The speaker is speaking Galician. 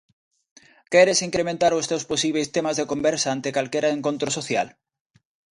Queres incrementar os teus posíbeis temas de conversa ante calquera encontro social?